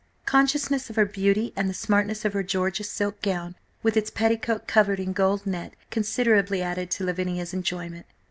Consciousness of her beauty and the smartness of her Georgia silk gown, with its petticoat covered in gold net, considerably added to Lavinia's enjoyment.